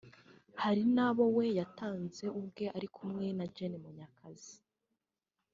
hari n’abo we yatanze ubwe ari kumwe na Gen Munyakazi